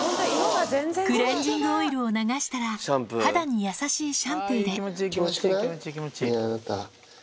クレンジングオイルを流したら肌に優しいシャンプーでねぇあなた。